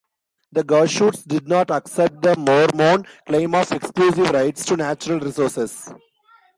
The Goshutes did not accept the Mormon claim of exclusive rights to natural resources.